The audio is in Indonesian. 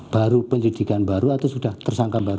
baru penyidikan baru atau sudah tersangka baru